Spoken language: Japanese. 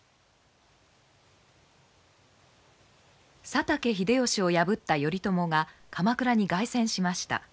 佐竹秀義を破った頼朝が鎌倉に凱旋しました。